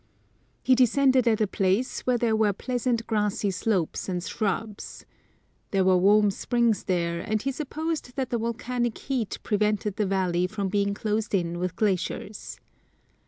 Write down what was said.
He descended at a place where there were pleasant grassy slopes and shrubs. There were warm springs there, and he supposed that the volcanic heat pre vented the valley from being closed in with glaciers.